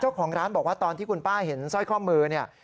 เจ้าของร้านบอกว่าตอนที่คุณป้าเห็นสร้อยข้อมือเนี่ย